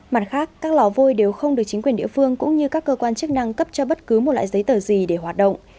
mặt khác các lò vôi đều không được chính quyền địa phương cũng như các cơ quan chức năng cấp cho bất cứ một loại giấy tờ gì để hoạt động